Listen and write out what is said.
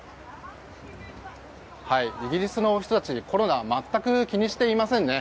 イギリスの人たちコロナ全く気にしていませんね。